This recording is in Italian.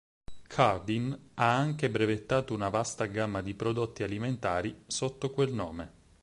Cardin ha anche brevettato una vasta gamma di prodotti alimentari sotto quel nome.